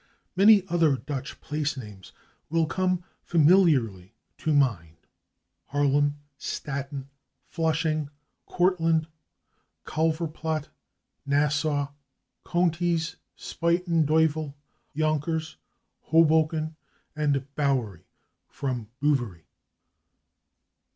Many other Dutch place names will come familiarly to mind: /Harlem/, /Staten/, /Flushing/, /Cortlandt/, /Calver Plaat/, /Nassau/, /Coenties/, /Spuyten Duyvel/, /Yonkers/, /Hoboken/ and /Bowery/ (from /Bouvery